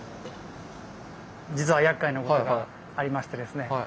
実はやっかいなことがありましてですね